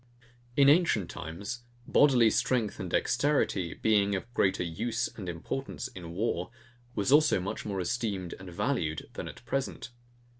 In ancient times, bodily strength and dexterity, being of greater USE and importance in war, was also much more esteemed and valued, than at present.